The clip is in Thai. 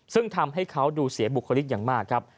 ซึ่งทำให้เขาดูเสียบุคลิกอย่างมากครับ